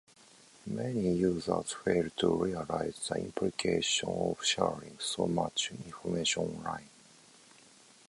Many users fail to realize the implications of sharing so much information online.